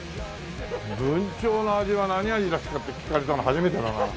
ブンチョウの味は何味ですかって聞かれたの初めてだな。